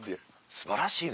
素晴らしいで。